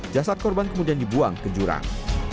jasad korban kemudian dibuang ke jurang